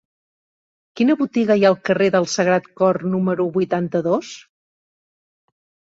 Quina botiga hi ha al carrer del Sagrat Cor número vuitanta-dos?